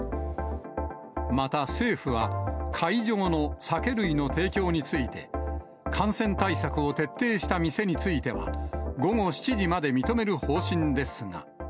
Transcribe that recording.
また政府は、解除後の酒類の提供について、感染対策を徹底した店については、午後７時まで認める方針ですが。